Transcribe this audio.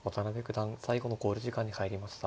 最後の考慮時間に入りました。